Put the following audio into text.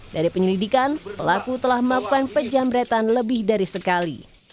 dari penyelidikan pelaku telah melakukan pejamretan lebih dari sekali